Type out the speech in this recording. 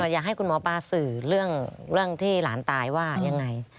อยากให้คุณหมอปลาสื่อเรื่องที่หลานตายว่ายังไง